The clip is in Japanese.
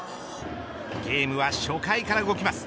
ゲームは初回から動きます。